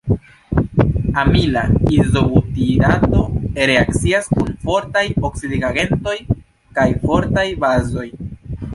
Amila izobutirato reakcias kun fortaj oksidigagentoj kaj fortaj bazoj.